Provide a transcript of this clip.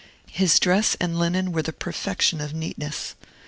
His dress and linen were the perfection of neatness.